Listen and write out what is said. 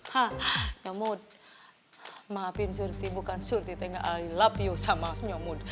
hah nyomud maafin surti bukan surti teh gak i love you sama nyomud